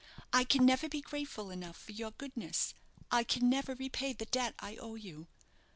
"I can never be grateful enough for your goodness; I can never repay the debt I owe you.